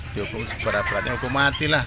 dihukum seberat beratnya hukum mati lah